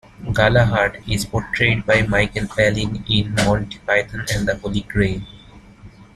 Galahad is portrayed by Michael Palin in "Monty Python and The Holy Grail".